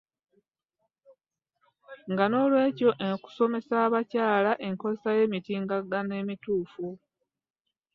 Nga noolwekyo kikulu okusomesa abakyala enkozesa y'emitimbagano entuufu.